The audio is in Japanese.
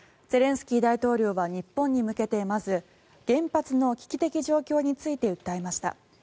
ゼレンスキー大統領は日本に向けてまず原発の危機的状況について訴えました。